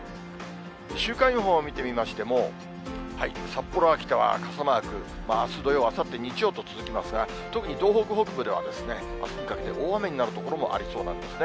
週間予報を見てみましても、札幌、秋田は傘マーク、あす土曜、あさって日曜と続きますが、特に東北北部では、あすにかけて、大雨になる所もありそうなんですね。